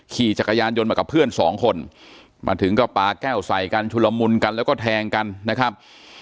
ขี่จักรยานยนต์มากับเพื่อนสองคนมาถึงก็ปาแก้วใส่กันชุลมุนกันแล้วก็แทงกันนะครับ